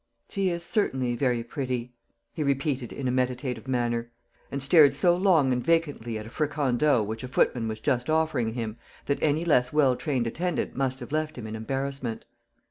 "She is certainly very pretty," he repeated in a meditative manner; and stared so long and vacantly at a fricandeau which a footman was just offering him, that any less well trained attendant must have left him in embarrassment.